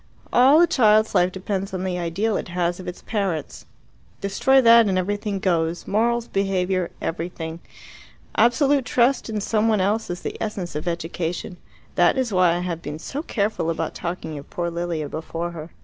All a child's life depends on the ideal it has of its parents. Destroy that and everything goes morals, behaviour, everything. Absolute trust in some one else is the essence of education. That is why I have been so careful about talking of poor Lilia before her."